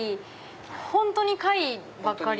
本当に貝ばっかり。